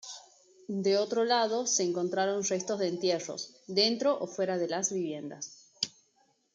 De otro lado, se encontraron restos de entierros, dentro o fuera de las viviendas.